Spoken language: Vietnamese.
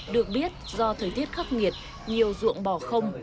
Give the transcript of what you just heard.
được biết do thời tiết khắc nghiệt nhiều ruộng bỏ không